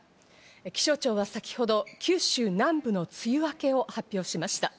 気象庁は先ほど、九州南部の梅雨明けを発表しました。